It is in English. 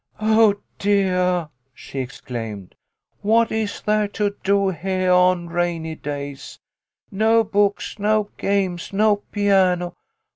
" Oh, deah !" she exclaimed. " What is there to do heah on rainy days ? No books, no games, no piano